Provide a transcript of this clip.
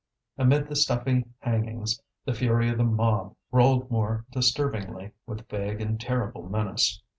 Amid the stuffy hangings the fury of the mob rolled more disturbingly, with vague and terrible menace.